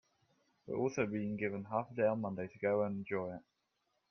We're also being given a half day on Monday to go and enjoy it.